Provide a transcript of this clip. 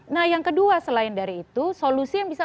nah yang kedua selain dari itu solusi yang bisa